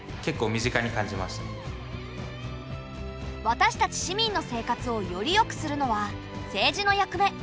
私たち市民の生活をよりよくするのは政治の役目。